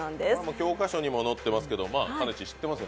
教科書にも載っていますけれどもかねち、知ってますか？